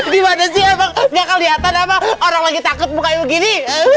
gimana sih emang gak keliatan apa orang lagi takut muka ibu gini